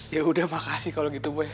ya udah makasih kalau gitu boy